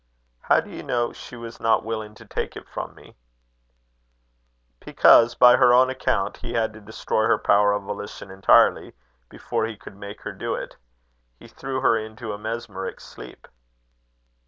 "How do you know she was not willing to take it from me?" "Because, by her own account, he had to destroy her power of volition entirely, before he could make her do it. He threw her into a mesmeric sleep."